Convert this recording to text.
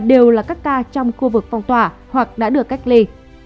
đều là các ca trong khu vực phong tỏa hoặc đã được cách ly